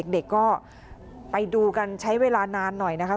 เด็กก็ไปดูกันใช้เวลานานหน่อยนะคะ